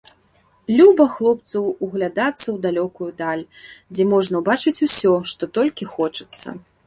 Люба хлопцу ўглядацца ў далёкую даль, дзе можна ўбачыць усё, што толькі хочацца.